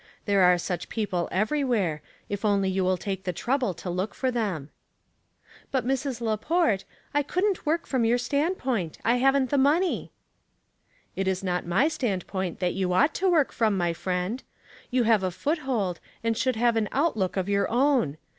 There are such people everywhere, if only you will take the trouble to look for them." " But, Mrs. Laport, I couldn't work from your standpoint. I haven't the money." " It is not my standpoint that you oiight to work from, my friend. You have a foothold, and should have an outlook of your own.